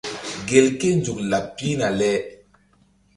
Gelke nzuk laɓ pihna le.